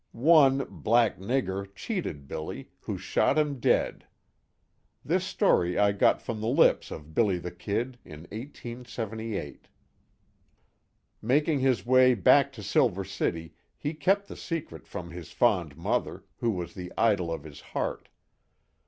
One "black nigger" cheated Billy, who shot him dead. This story I got from the lips of "Billy the Kid" in 1878. Making his way back to Silver City he kept the secret from his fond mother, who was the idol of his heart.